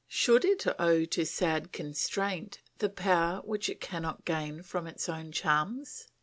Should it owe to sad constraint the power which it cannot gain from its own charms?